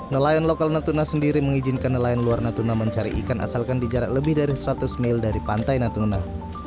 nelayan lokal natuna sendiri mengizinkan nelayan luar natuna mencari ikan asalkan di jarak lebih dari seratus mil dari pantai natuna